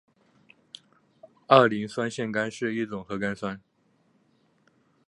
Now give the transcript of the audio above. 二磷酸腺苷是一种核苷酸。